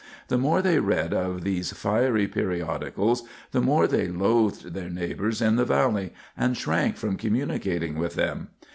The more they read of these fiery periodicals the more they loathed their neighbors in the valley and shrank from communicating with them.